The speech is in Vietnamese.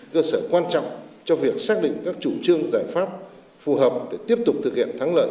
cơ sở quan trọng cho việc xác định các chủ trương giải pháp phù hợp để tiếp tục thực hiện thắng lợi